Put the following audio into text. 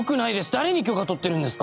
誰に許可取ってるんですか？